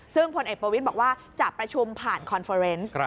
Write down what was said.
ซึ่งพลเอกประวิทย์บอกว่าจะประชุมผ่านคอนเฟอร์เนส